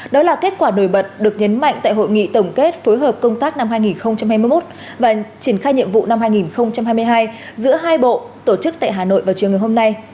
đó là kết quả nổi bật được nhấn mạnh tại hội nghị tổng kết phối hợp công tác năm hai nghìn hai mươi một và triển khai nhiệm vụ năm hai nghìn hai mươi hai giữa hai bộ tổ chức tại hà nội vào chiều ngày hôm nay